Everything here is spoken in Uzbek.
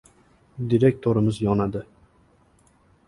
Direktorimiz yonadi.